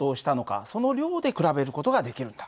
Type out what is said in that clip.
その量で比べる事ができるんだ。